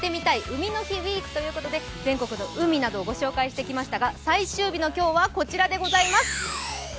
海の日ウィーク」ということで全国の海などを御紹介してきましたが最終日の今日はこちらでございます。